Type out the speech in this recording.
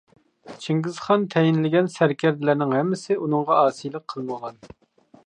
چىڭگىزخان تەيىنلىگەن سەركەردىلەرنىڭ ھەممىسى ئۇنىڭغا ئاسىيلىق قىلمىغان.